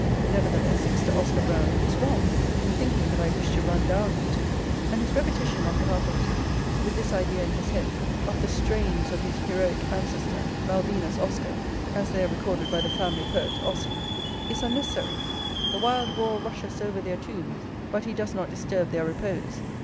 Nevertheless, Mr. Oscar Browning is wrong in [xiv] thinking that I wished to run down Eton; and his repetition on behalf of Eton, with this idea in his head, of the strains of his heroic ancestor, Malvina's Oscar, as they are recorded by the family poet, Ossian, is unnecessary. "The wild boar rushes over their tombs, but he does not disturb their repose.